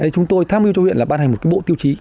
chúng tôi tham mưu cho huyện là ban hành một bộ tiêu chí